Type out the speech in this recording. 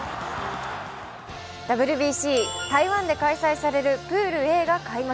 ＷＢＣ、台湾で開催されるプールＡが開幕。